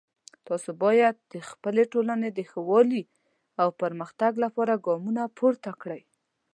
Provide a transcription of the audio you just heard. تاسو باید د خپلې ټولنې د ښه والی او پرمختګ لپاره ګامونه پورته کړئ